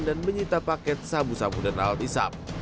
dan menyita paket sabu sabu dan alat isap